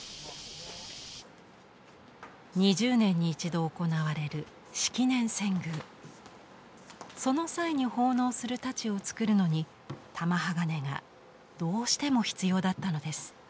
２０年に一度行われるその際に奉納する太刀をつくるのに玉鋼がどうしても必要だったのです。